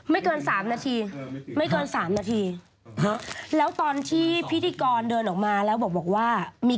ไม่เกิน๓นาที